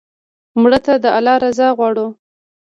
مړه ته د الله رضا غواړو